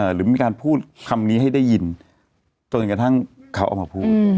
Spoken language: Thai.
หรือมีการพูดคำนี้ให้ได้ยินจนกระทั่งเขาเอามาพูด